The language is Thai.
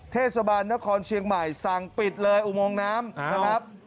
เทศบาลนครเชียงใหม่สั่งปิดเลยอุโมงน้ำนะครับ